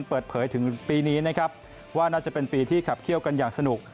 เปิดเผยถึงปีนี้นะครับว่าน่าจะเป็นปีที่ขับเคี่ยวกันอย่างสนุก